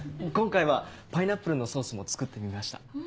今回はパイナップルのソースも作ってみました。